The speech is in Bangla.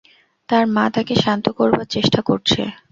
তার মা তাকে শান্ত করবার চেষ্টা করছে।